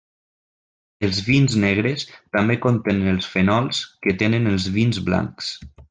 Els vins negres també contenen els fenols que tenen els vins blancs.